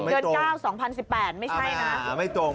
เดือนเก้า๒๐๑๘ไม่ใช่นะ